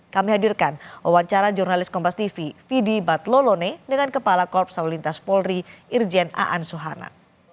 kami hadirkan wawancara jurnalis kompas tv fidi batlolone dengan kepala korps lalu lintas polri irjen aan suhana